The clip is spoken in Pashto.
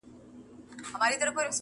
نړوي چي مدرسې د واسکټونو -